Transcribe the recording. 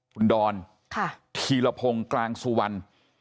ขุนดรทีลพงค์กลางสุวรรณ